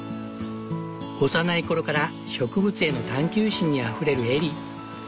幼い頃から植物への探求心にあふれるエリー。